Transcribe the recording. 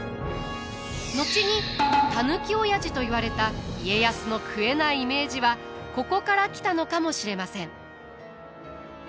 後にたぬきオヤジといわれた家康の食えないイメージはここから来たのかもしれません。